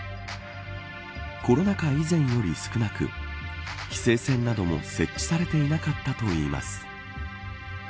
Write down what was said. コロナ禍以前より少なく規制線なども設置されていなかったといいます。